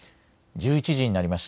１１時になりました。